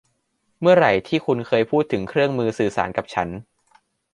เมื่อไหร่ที่คุณเคยพูดถึงเครื่องมือสื่อสารกับฉัน